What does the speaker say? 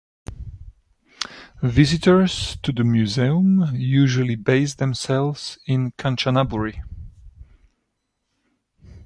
Visitors to the museum usually base themselves in Kanchanaburi.